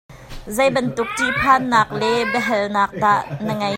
Zei bantuk ṭihphannak le biahalnak dah na ngei?